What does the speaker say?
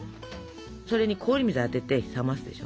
それに氷水にあてて冷ますでしょ。